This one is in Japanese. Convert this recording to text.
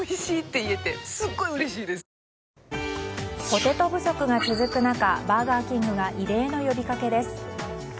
ポテト不足が続く中バーガーキングが異例の呼びかけです。